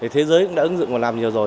thế giới cũng đã ứng dụng và làm nhiều rồi